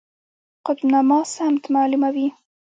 قطب نما سمت معلوموي